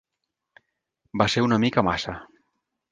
Va ser una mica massa.